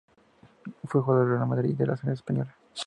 Fue jugador del Real Madrid y de la selección española.